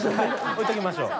置いておきましょう。